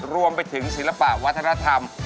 รวมไปถึงศิลปะวัฒนธรรม